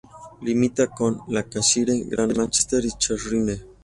Limita con Lancashire, Gran Manchester y Cheshire.